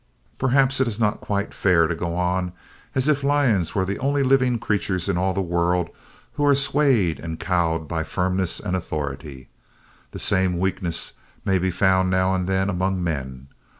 Perhaps it is not quite fair to go on as if lions were the only living creatures in all the world who are swayed and cowed by firmness and authority. The same weakness may be found now and then among men.